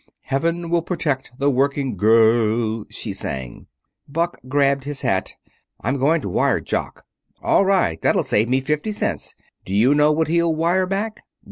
"'Heaven will protect the working girrul,'" she sang. Buck grabbed his hat. "I'm going to wire Jock." "All right! That'll save me fifty cents. Do you know what he'll wire back?